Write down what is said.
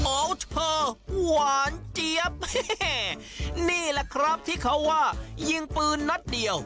เธอหวานเจี๊ยบนี่แหละครับที่เขาว่ายิงปืนนัดเดียว